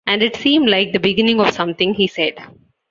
And it seemed liked the beginning of something, he said.